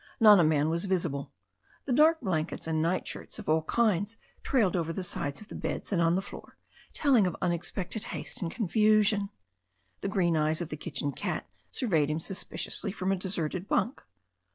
Not a man was visible. The dark blankets and night shirts of all kinds trailed over the sides of the beds and on the floor, telling of unexpected haste and confusion. The green eyes of the kitchen cat surveyed him suspiciously from a deserted bunk.